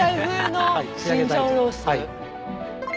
はい。